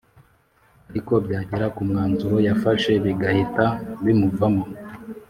ariko byagera kumwanzuro yafashe bigahita bimuvamo